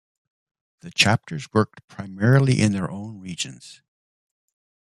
The chapters worked primarily in their own regions.